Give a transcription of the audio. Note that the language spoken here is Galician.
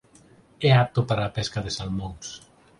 É apto para a pesca de salmóns.